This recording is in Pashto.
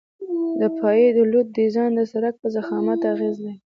د پایې د لوډ ډیزاین د سرک په ضخامت اغیزه لري